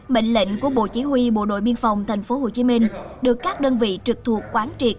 mệnh lệnh của bộ chỉ huy bộ đội biên phòng tp hcm được các đơn vị trực thuộc quán triệt